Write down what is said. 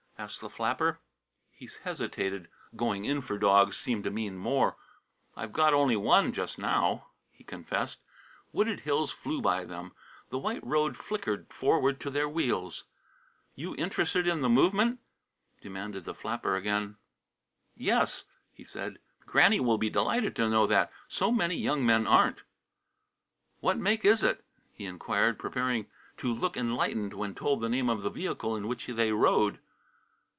asked the flapper. He hesitated. "Going in" for dogs seemed to mean more. "I've got only one just now," he confessed. Wooded hills flew by them, the white road flickered forward to their wheels. "You interested in the movement?" demanded the flapper again. "Yes," he said. "Granny will be delighted to know that. So many young men aren't." "What make is it?" he inquired, preparing to look enlightened when told the name of the vehicle in which they rode.